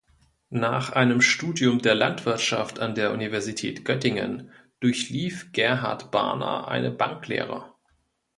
Nach einem Studium der Landwirtschaft an der Universität Göttingen durchlief Gerhard Barner eine Banklehre.